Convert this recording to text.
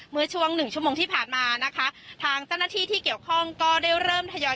เมื่อช่วง๑ชั่วโมงที่ผ่านมานะคะทางเจ้านาธิที่เกี่ยวข้องก็เริ่มทยอยกันกลับไปแล้ว